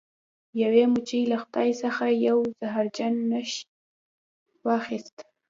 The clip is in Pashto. یوې مچۍ له خدای څخه یو زهرجن نیش وغوښت.